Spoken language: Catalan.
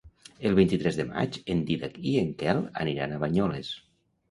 El vint-i-tres de maig en Dídac i en Quel aniran a Banyoles.